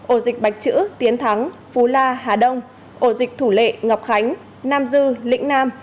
ổ dịch bạch chữ tiến thắng phú la hà đông ổ dịch thủ lệ ngọc khánh nam dư lĩnh nam